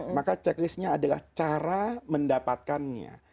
maka checklistnya adalah cara mendapatkannya